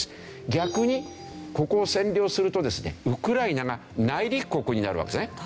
逆にここを占領するとですねウクライナが内陸国になるわけですね。